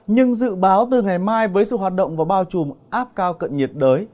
nhưng dự báo từ ngày mai với sự hoạt động và bao trùm áp cao cận nhiệt đới